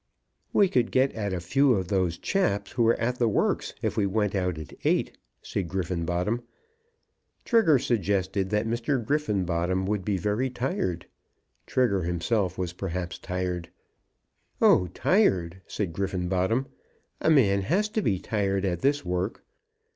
"We could get at a few of those chaps who were at the works, if we went out at eight," said Griffenbottom. Trigger suggested that Mr. Griffenbottom would be very tired. Trigger himself was perhaps tired. "Oh, tired," said Griffenbottom; "a man has to be tired at this work."